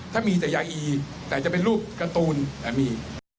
ถ้ามีแต่ยาอีแต่จะเป็นรูปการ์ตูนมี